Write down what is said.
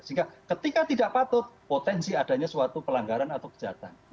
sehingga ketika tidak patut potensi adanya suatu pelanggaran atau kejahatan